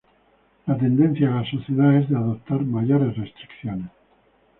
La tendencia de la sociedad es de adoptar mayores restricciones.